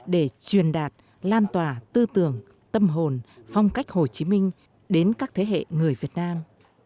để truyền đạt lan tỏa tư tưởng tâm hồn phong cách hồ chí minh đến các thế hệ người việt nam